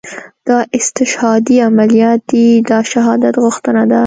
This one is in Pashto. دا استشهاديه عمليات دي دا شهادت غوښتنه ده.